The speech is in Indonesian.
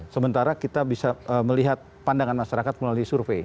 sementara kita bisa melihat pandangan masyarakat melalui survei